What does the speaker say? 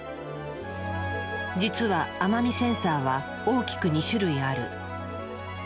実は甘味センサーは大きく２種類ある。